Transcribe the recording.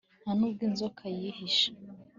Nta nubwo inzoka yihishe